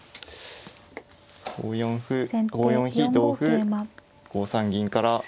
５四歩５四飛同歩５三銀から。